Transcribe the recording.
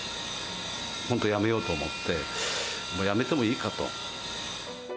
本当やめようと思って、もうやめてもいいかと。